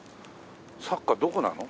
サッカーどこなの？